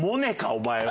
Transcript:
お前は。